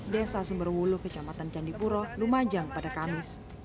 desa sumberwulu kecamatan candipuro lumajang pada kamis